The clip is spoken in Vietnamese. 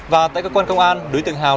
và tại cơ quan công an đối tượng hào